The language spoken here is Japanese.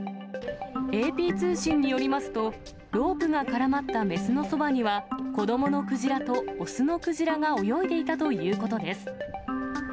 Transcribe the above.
ＡＰ通信によりますと、ロープが絡まった雌のそばには、子どものクジラと雄のクジラが泳いでいたということです。